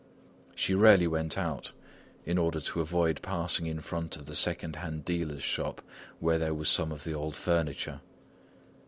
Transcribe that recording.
She rarely went out, in order to avoid passing in front of the second hand dealer's shop where there was some of the old furniture.